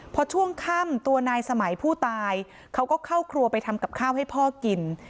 พอช่วงค่ำตัวนายสมัยผู้ตายเขาก็เข้าครัวไปทำกับข้าวให้พ่อกิน